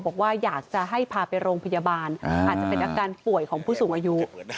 บอกว่าอยากจะให้พาไปโรงพยาบาลอาจจะเป็นอาการป่วยของผู้สูงอายุ